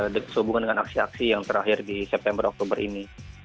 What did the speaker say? sehubungan dengan aksi aksi yang terakhir di september oktober ini